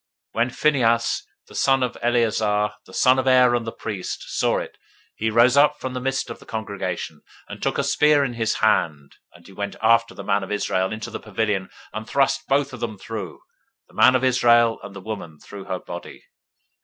025:007 When Phinehas, the son of Eleazar, the son of Aaron the priest, saw it, he rose up from the midst of the congregation, and took a spear in his hand; 025:008 and he went after the man of Israel into the pavilion, and thrust both of them through, the man of Israel, and the woman through her body.